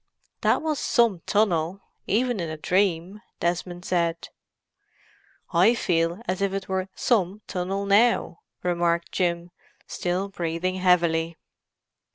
"That was 'some' tunnel, even in a dream," Desmond said. "I feel as if it were 'some' tunnel now," remarked Jim—still breathing heavily.